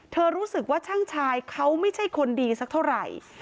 รู้สึกว่าช่างชายเขาไม่ใช่คนดีสักเท่าไหร่